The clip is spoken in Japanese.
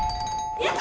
やった！